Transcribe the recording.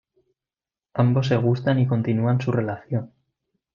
Ambos se gustan y continúan su relación.